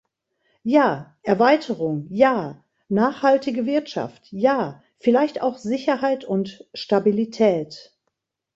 Ja, Erweiterung, ja, nachhaltige Wirtschaft, ja, vielleicht auch Sicherheit und Stabilität.